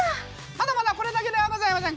まだまだこれだけではございません。